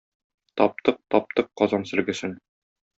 Таптык, таптык Казан сөлгесен.